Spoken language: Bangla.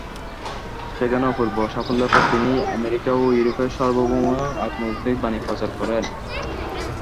সেখানে অপূর্ব সাফল্যের পর তিনি আমেরিকা ও ইউরোপে সার্বভৌম আধ্যাত্মিক বাণী প্রচার করেন।